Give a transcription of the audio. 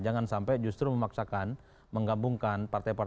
jangan sampai justru memaksakan menggabungkan para pemerintah